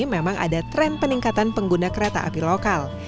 memang ada tren peningkatan pengguna kereta api lokal